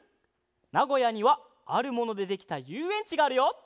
なごやにはあるものでできたゆうえんちがあるよ！